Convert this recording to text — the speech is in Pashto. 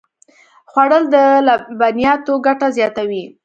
خوړل د لبنیاتو ګټه زیاتوي